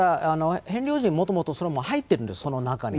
ですから、ヘンリー王子、もともとそれに入ってるんです、その中に。